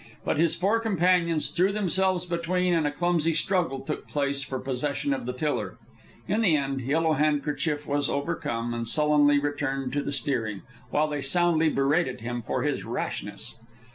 But his four companions threw themselves between, and a clumsy struggle took place for possession of the tiller. In the end Yellow Handkerchief was over come, and sullenly returned to the steering, while they soundly berated him for his rashness.